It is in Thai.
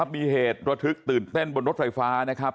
มีเหตุระทึกตื่นเต้นบนรถไฟฟ้านะครับ